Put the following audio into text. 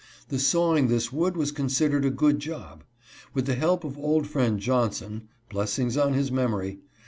The sawing this wood was considered a good job. With the help of old Friend Jolmson (blessings on his memory!)